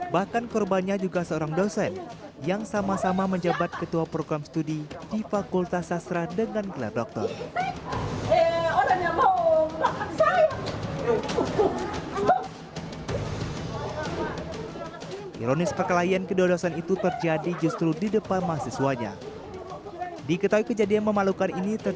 bahkan korbannya juga seorang dosen yang sama sama menjabat ketua program studi di fakultas sastra dengan kler dokter